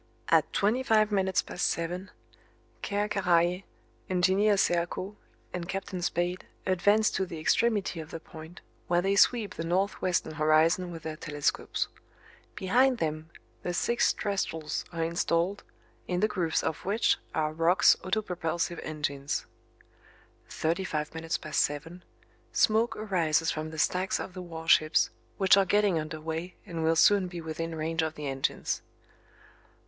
At twenty five minutes past seven: Ker Karraje, Engineer Serko and Captain Spade advance to the extremity of the point, where they sweep the north western horizon with their telescopes. Behind them the six trestles are installed, in the grooves of which are Roch's autopropulsive engines. Thirty five minutes past seven: Smoke arises from the stacks of the warships, which are getting under way and will soon be within range of the engines.